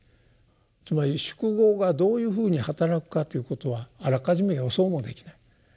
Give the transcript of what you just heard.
つまり「宿業」がどういうふうにはたらくかということはあらかじめ予想もできない。